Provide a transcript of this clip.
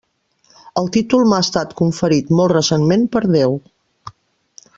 El títol m'ha estat conferit molt recentment per Déu.